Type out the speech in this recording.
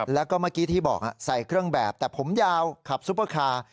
แล้วก็เมื่อกี้ที่บอกใส่เครื่องแบบแต่ผมยาวขับซุปเปอร์คาร์